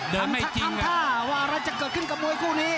ทำท่าว่าอะไรจะเกิดขึ้นกับมวยคู่นี้